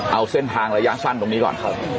เอาเส้นทางระยะสั้นตรงนี้ก่อน